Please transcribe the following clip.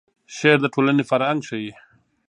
شعر د ټولنې فرهنګ ښیي.